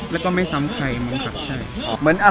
และไม่ส้ำใครมั้งครับ